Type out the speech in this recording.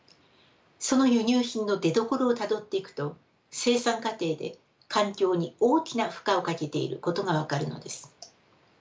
その輸入品の出どころをたどっていくと生産過程で環境に大きな負荷をかけていることが分かるのです。